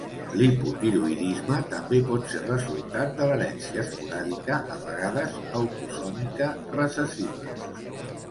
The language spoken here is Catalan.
L'hipotiroïdisme també pot ser resultat de l'herència esporàdica, a vegades autosòmica recessiva.